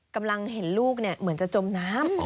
กำลังเห็นลูกเหมือนจะจมน้ำ